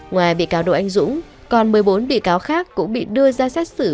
ngoài bị cáo đỗ anh dũng còn một mươi bốn bị cáo khác cũng bị đưa ra xác xử